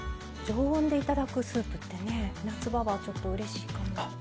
常温でいただくスープって夏場はうれしいかな。